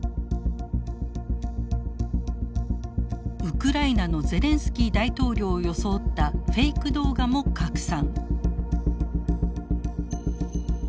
ウクライナのゼレンスキー大統領を装ったフェイク動画も拡散。